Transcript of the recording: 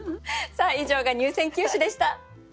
以上が入選九首でした。